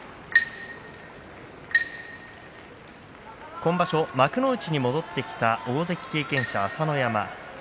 今場所、幕内に戻ってきた大関経験者、朝乃山。